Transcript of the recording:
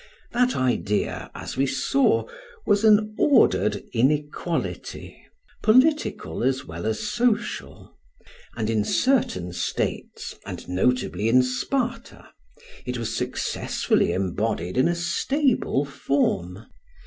That idea, as we saw, was an ordered inequality, political as well as social; and in certain states, and notably in Sparta, it was successfully embodied in a stable form.